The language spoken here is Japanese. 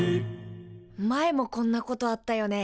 前もこんなことあったよね。